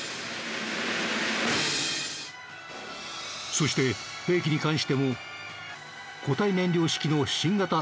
そして兵器に関しても固体燃料式の新型ＩＣＢＭ